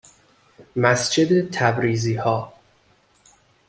مسجد تبریزیها